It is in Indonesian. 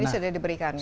ini sudah diberikan ya